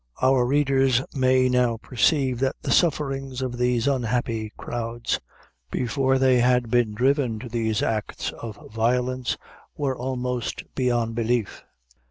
Our readers may now perceive, that the sufferings of these unhappy crowds, before they had been driven to these acts of violence, were almost beyond belief.